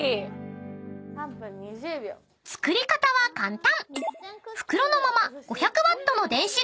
［作り方は簡単］